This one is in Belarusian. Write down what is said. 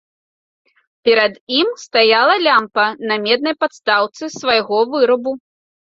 Перад ім стаяла лямпа на меднай падстаўцы свайго вырабу.